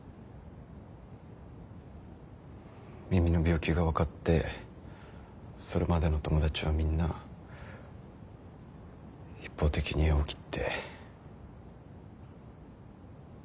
耳の病気が分かってそれまでの友達はみんな一方的に縁を切って。